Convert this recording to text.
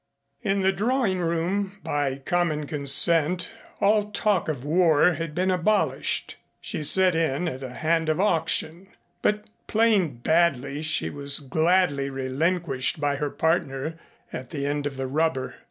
In the drawing room by common consent all talk of war had been abolished. She sat in at a hand of auction, but playing badly, she was gladly relinquished by her partner at the end of the rubber.